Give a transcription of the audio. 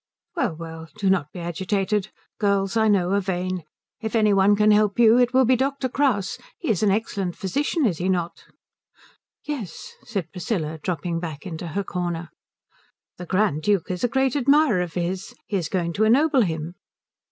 "Well, well, do not be agitated. Girls, I know, are vain. If any one can help you it will be Dr. Kraus. He is an excellent physician, is he not?" "Yes," said Priscilla, dropping back into her corner. "The Grand Duke is a great admirer of his. He is going to ennoble him."